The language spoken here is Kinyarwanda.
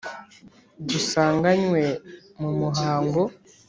dusanganywe mu muhango.